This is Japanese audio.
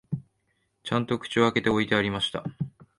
ちゃんと口を開けて置いてありました